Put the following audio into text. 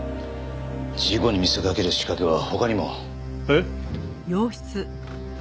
事故に見せかける仕掛けは他にも。